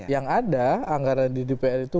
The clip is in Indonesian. yang ada anggaran di dpr itu